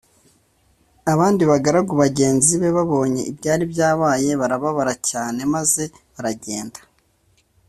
Abandi bagaragu bagenzi be babonye ibyari byabaye barababara cyane maze baragenda